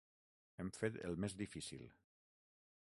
Hem fet el més difícil.